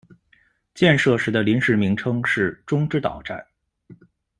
建设时的临时名称是「中之岛站」。